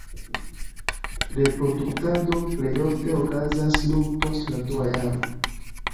Reproduktado plej ofte okazas nur post la dua jaro.